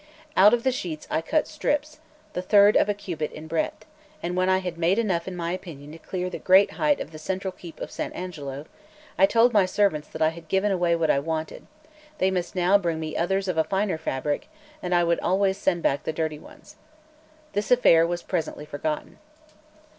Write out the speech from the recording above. Out of the sheets I cut strips, the third of a cubit in breadth; and when I had made enough in my opinion to clear the great height of the central keep of Sant' Angelo, I told my servants that I had given away what I wanted; they must now bring me others of a finer fabric, and I would always send back the dirty ones. This affair was presently forgotten.